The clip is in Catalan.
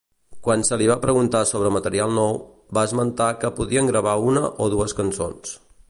Quan se li va preguntar sobre material nou, va esmentar que podrien gravar una o dues cançons.